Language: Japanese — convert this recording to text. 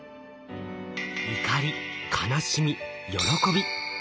怒り悲しみ喜び。